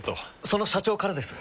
その社長からです。